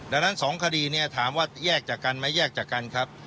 ดังนั้น๒คดีเนี่ยถามว่าแยกจากกันไหมแยกจากกันครับ